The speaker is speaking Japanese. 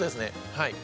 はい。